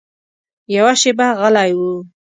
یوه شېبه غلی و.